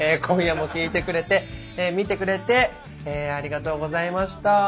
今夜も聴いてくれて見てくれてありがとうございました。